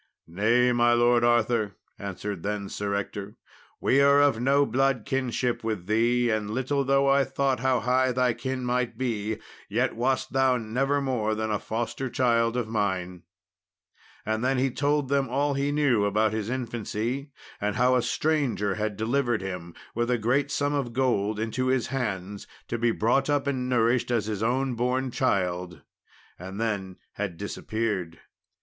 "Nay, my Lord Arthur," answered then Sir Ector, "we are of no blood kinship with thee, and little though I thought how high thy kin might be, yet wast thou never more than foster child of mine." And then he told him all he knew about his infancy, and how a stranger had delivered him, with a great sum of gold, into his hands to be brought up and nourished as his own born child, and then had disappeared.